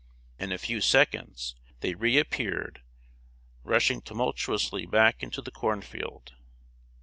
In a few seconds, they reappeared, rushing tumultuously back into the corn field.